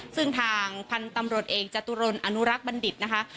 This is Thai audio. ซึ่งทางพันธุ์ตำรวจเอกจตุรนอนุรักษ์บัณฑิตนะคะ